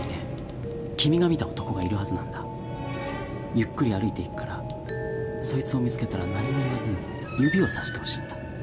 ゆっくり歩いていくからそいつを見つけたら何も言わず指を差して欲しいんだ。